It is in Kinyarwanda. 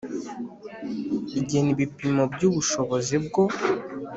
Igena ibipimo by ubushobozi bwo